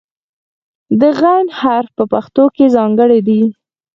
د "غ" حرف په پښتو کې ځانګړی دی.